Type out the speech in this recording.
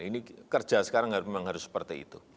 ini kerja sekarang memang harus seperti itu